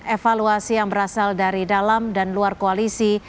evaluasi yang berasal dari dalam dan luar koalisi